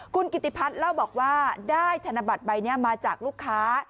คุณกิติพัฒน์เล่าบอกว่าได้ธนบัตรใบนี้มาจากลูกค้า